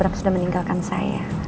orang orang itu ber ratu kadalah